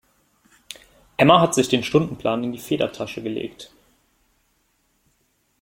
Emma hat sich den Stundenplan in die Federtasche gelegt.